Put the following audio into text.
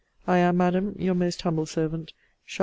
I am, Madam, Your most humble servant, CHARL.